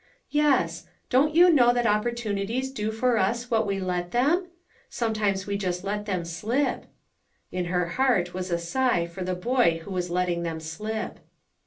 "Yes. Don't you know that opportunities do for us what we let them? Sometimes we just let them slip." In her heart was a sigh for the boy who was letting them slip.